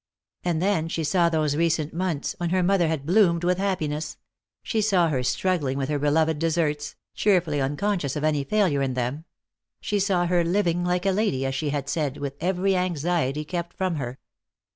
And then she saw those recent months, when her mother had bloomed with happiness; she saw her struggling with her beloved desserts, cheerfully unconscious of any failure in them; she saw her, living like a lady, as she had said, with every anxiety kept from her.